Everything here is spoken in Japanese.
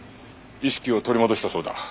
意識を取り戻したそうだ。